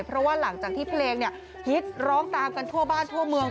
เพราะว่าหลังจากที่เพลงฮิตร้องตามกันทั่วบ้านทั่วเมือง